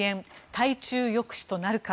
対中抑止となるか。